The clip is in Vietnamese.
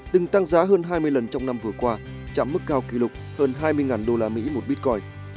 từng tăng giá hơn hai mươi lần trong năm vừa qua chạm mức cao kỷ lục hơn hai mươi usd một bitcoin